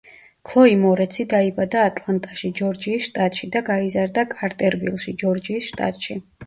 ქლოი მორეცი დაიბადა ატლანტაში, ჯორჯიის შტატში და გაიზარდა კარტერვილში, ჯორჯიის შტატში.